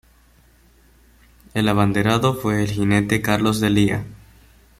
El abanderado fue el jinete Carlos D'Elía.